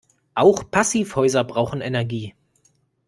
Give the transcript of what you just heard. Auch Passivhäuser brauchen Energie.